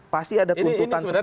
pasti ada tuntutan seperti itu